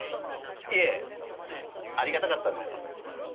いえありがたかったんです。